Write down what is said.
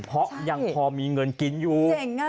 เพราะยังพอมีเงินกินอยู่